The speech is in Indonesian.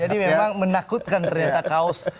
jadi memang menakutkan ternyata kaos